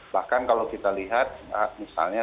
bahkan kalau kita lihat misalnya